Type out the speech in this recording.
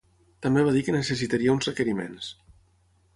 També va dir que necessitaria uns requeriments.